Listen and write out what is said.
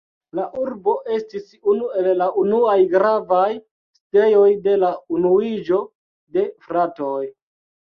La urbo estis unu el la unuaj gravaj sidejoj de la Unuiĝo de fratoj.